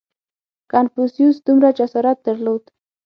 • کنفوسیوس دومره جسارت درلود.